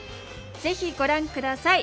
ぜひご覧下さい！